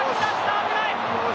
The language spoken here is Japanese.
危ない！